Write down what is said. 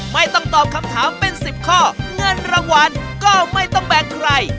ไม่ต้องตอบคำถามเป็น๑๐ข้อเงินรางวัลก็ไม่ต้องแบ่งใคร